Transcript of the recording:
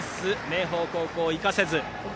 明豊高校は生かせず。